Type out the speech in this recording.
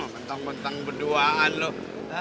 bentang bentang berduaan loh